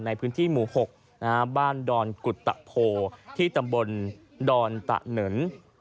ในพื้นที่หมู่๖บ้านดอนกุตตะโพที่ตำบลดอนตะเหนิน